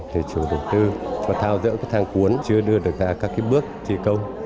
thì chủ đầu tư mà thao dỡ cái thang cuốn chưa đưa được ra các cái bước thi công